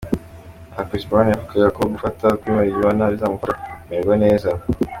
Aha Chris Brown yavugaga ko gufata kuri marijuana bizamufasha kumererwa neza.